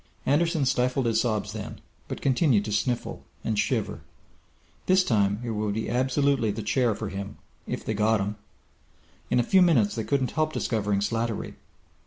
Anderson stifled his sobs then, but continued to sniffle and shiver. This time it would absolutely be The Chair for him if they got him! In a few minutes they couldn't help discovering Slattery.